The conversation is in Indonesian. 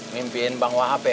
mimpiin bang wahab ya